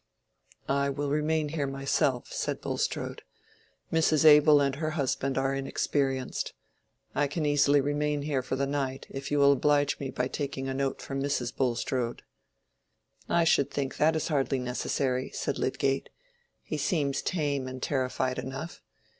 "I will remain here myself," said Bulstrode. "Mrs. Abel and her husband are inexperienced. I can easily remain here for the night, if you will oblige me by taking a note for Mrs. Bulstrode." "I should think that is hardly necessary," said Lydgate. "He seems tame and terrified enough.